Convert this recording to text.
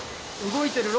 動いてる！